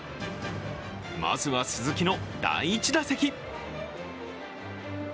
まずは鈴木の第１打席。